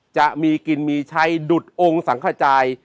จะมีกินมีใช้ดุดองค์สังขจาย